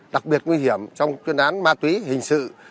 đặc biệt nguy hiểm trong chuyên án ma túy hình sự